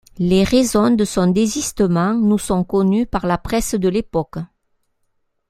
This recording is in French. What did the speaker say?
Les raisons de son désistement nous sont connues par la presse de l'époque.